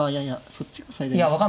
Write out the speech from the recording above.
そっちが最善でしたか。